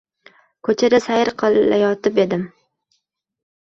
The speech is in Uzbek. Ko‘chada sayr qilayotib edim.